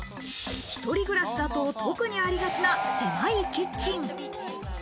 一人暮らしだと特にありがちな狭いキッチン。